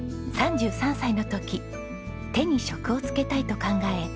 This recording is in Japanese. ３３歳の時手に職をつけたいと考え